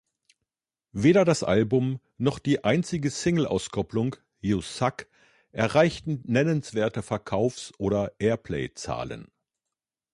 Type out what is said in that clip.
Weder das Album noch die einzige Singleauskopplung "You suck" erreichten nennenswerte Verkaufs- oder Airplay-Zahlen.